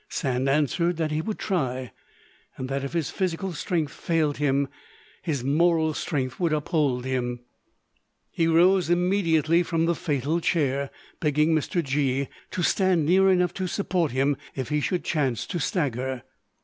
Sand answered that he would try, and that if his physical strength failed him, his moral strength would uphold him. He rose immediately from the fatal chair, begging Mr. G——to stand near enough to support him if he should chance to stagger.